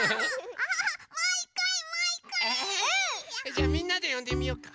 じゃあみんなでよんでみようか。